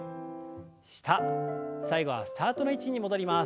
下最後はスタートの位置に戻ります。